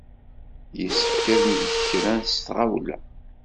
Yessefk ad neg kra s tɣawla.